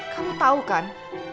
kamu tau kan